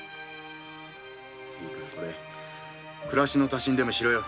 いいからこれ暮らしの足しにでもしろよ。